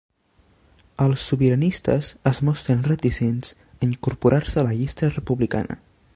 Els sobiranistes es mostren reticents a incorporar-se a la llista republicana